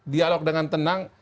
dialog dengan tenang